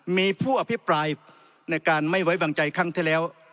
มีผู้อภิปรายในการไม่ไว้วางใจครั้งที่แล้ว